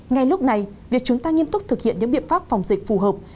ngay lúc này việc chúng ta nghiêm túc thực hiện những biện pháp phòng dịch phù hợp